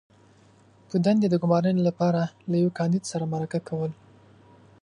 -په دندې د ګمارنې لپاره له یوه کاندید سره مرکه کول